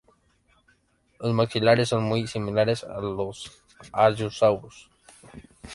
Los maxilares son muy similares a los de "Allosaurus".